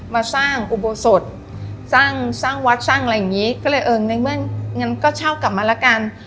มาสร้างอุโบสถสร้างสร้างวัดสร้างอะไรอย่างงี้ก็เลยเออในเมื่องั้นก็เช่ากลับมาละกัน